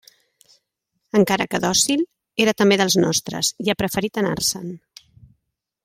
Encara que dòcil, era també dels nostres, i ha preferit anar-se'n.